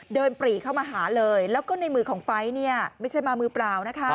เดินปรีเข้ามาหาเลยแล้วก็ในมือของไฟท์ไม่ใช่มามือเปล่า